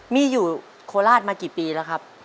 มีอยู่โคราชมากี่ปีแล้วครับ